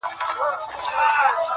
پوهېده په ښو او بدو عاقلان سوه،